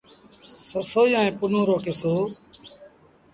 سسئيٚ ائيٚݩ پنهون رو ڪسو۔